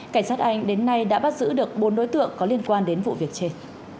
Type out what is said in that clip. cảnh sát anh đến nay đã bắt giữ được bốn đối tượng có liên quan đến vụ việc trên